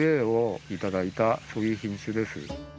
そういう品種です。